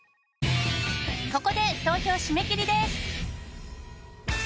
ここで投票締め切りです。